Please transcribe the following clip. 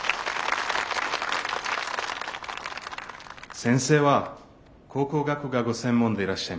先生は考古学がご専門でいらっしゃいます。